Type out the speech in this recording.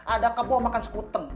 ada kebo makan sekuteng